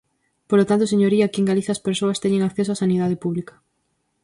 Polo tanto, señoría, aquí en Galicia as persoas teñen acceso á sanidade pública.